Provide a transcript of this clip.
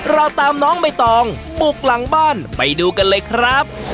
เราตามน้องใบตองบุกหลังบ้านไปดูกันเลยครับ